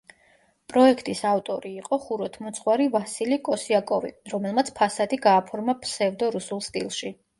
პროექტის ავტორი იყო ხუროთმოძღვარი ვასილი კოსიაკოვი, რომელმაც ფასადი გააფორმა ფსევდორუსულ სტილში.